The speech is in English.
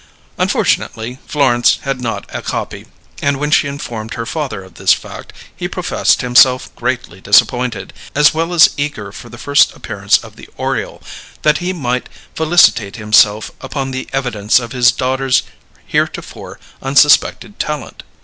Unfortunately Florence had not a copy, and when she informed her father of this fact, he professed himself greatly disappointed as well as eager for the first appearance of The Oriole, that he might felicitate himself upon the evidence of his daughter's heretofore unsuspected talent.